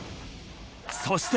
そして。